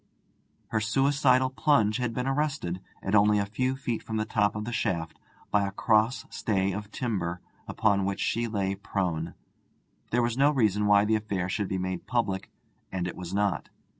Her suicidal plunge had been arrested, at only a few feet from the top of the shaft, by a cross stay of timber, upon which she lay prone. There was no reason why the affair should be made public, and it was not.